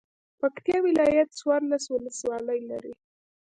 پکتيا ولايت څوارلس ولسوالۍ لري.